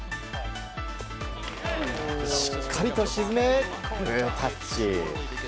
しっかりと沈め、グータッチ。